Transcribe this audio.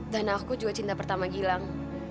dan aku juga cinta pertama gilang